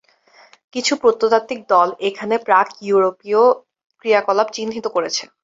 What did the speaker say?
কিছু প্রত্নতাত্ত্বিক দল এখানে প্রাক-ইউরোপীয় ক্রিয়াকলাপ চিহ্নিত করেছে।